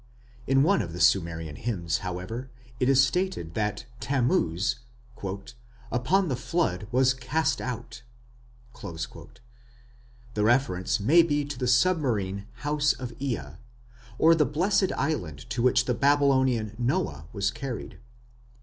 In one of the Sumerian hymns, however, it is stated that Tammuz "upon the flood was cast out". The reference may be to the submarine "house of Ea", or the Blessed Island to which the Babylonian Noah was carried.